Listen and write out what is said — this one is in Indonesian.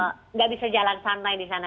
karena gak bisa jalan jalan di sana